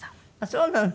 そうなの？